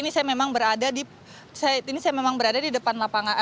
saat ini saya memang berada di depan lapangan